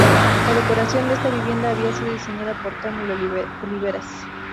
La decoración de esta vivienda había sido diseñada por Camil Oliveras.